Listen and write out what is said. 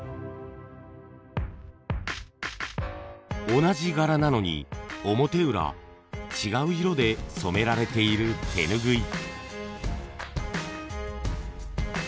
同じ柄なのに表裏違う色で染められている手ぬぐい。